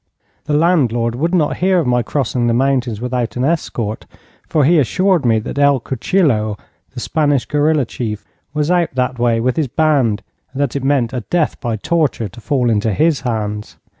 The landlord would not hear of my crossing the mountains without an escort, for he assured me that El Cuchillo, the Spanish guerilla chief, was out that way with his band, and that it meant a death by torture to fall into his hands.